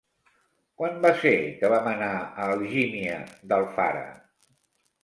Quan va ser que vam anar a Algímia d'Alfara?